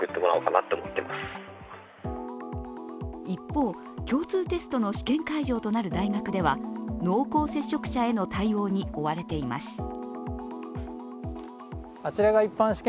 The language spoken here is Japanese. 一方、共通テストの試験会場となる大学では、濃厚接触者への対応に追われています。